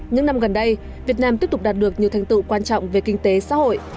những năm gần đây việt nam tiếp tục đạt được nhiều thành tựu quan trọng về kinh tế xã hội